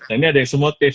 nah ini ada yang semotif